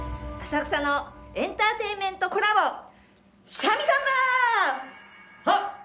浅草のエンターテインメントコラボ。